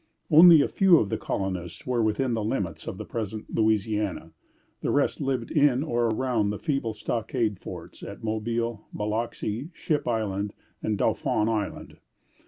Only a few of the colonists were within the limits of the present Louisiana. The rest lived in or around the feeble stockade forts at Mobile, Biloxi, Ship Island, and Dauphin Island.